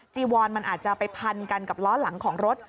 จีวอนมันอาจจะไปพันกันกับล้อหลังของรถ